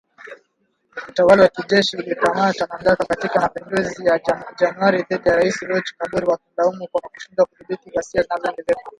Utawala wa kijeshi ulikamata mamlaka katika mapinduzi ya Januari dhidi ya Rais Roch Kabore wakimlaumu kwa kushindwa kudhibiti ghasia zinazoongezeka .